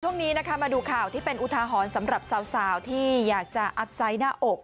ช่วงนี้นะคะมาดูข่าวที่เป็นอุทาหรณ์สำหรับสาวที่อยากจะอัพไซต์หน้าอก